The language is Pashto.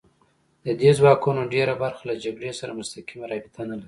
د دې ځواکونو ډېره برخه له جګړې سره مستقیمه رابطه نه لري